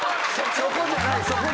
そこじゃない。